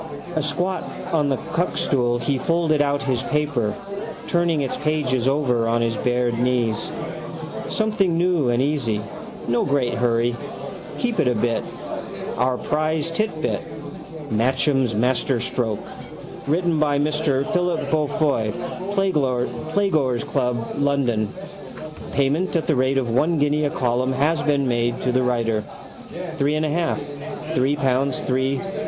Asquat on the cuckstool he folded out his paper, turning its pages over on his bared knees. Something new and easy. No great hurry. Keep it a bit. Our prize titbit: Matcham's Masterstroke. Written by Mr Philip Beaufoy, Playgoers' Club, London. Payment at the rate of one guinea a column has been made to the writer. Three and a half. Three pounds three.